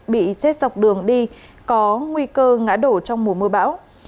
bị chết dọc đường đi có nguy cơ ngã đổ trong mùa mưa bão